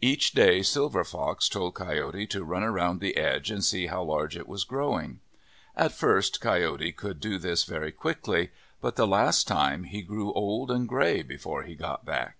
Each day Silver Fox told Coyote to run around the edge and see how large it was growing. At first Coyote could do this very quickly ; but the last time he grew old and gray before he got back.